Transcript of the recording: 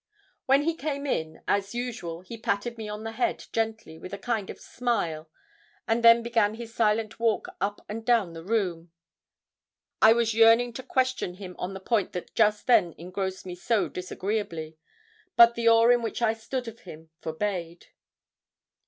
When he came in, as usual, he patted me on the head gently, with a kind of smile, and then began his silent walk up and down the room. I was yearning to question him on the point that just then engrossed me so disagreeably; but the awe in which I stood of him forbade.